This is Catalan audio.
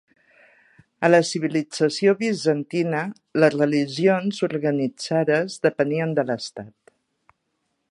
A la civilització bizantina, les religions organitzades depenien de l'Estat.